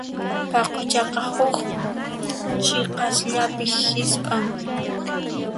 Paquchaqa huk chiqasllapi hisp'an.